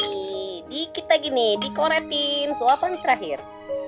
di dikit lagi nih dikoretin suapan terakhir